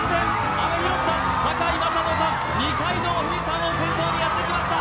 阿部寛さん、堺雅人さん、二階堂ふみさんを先頭にやってきました！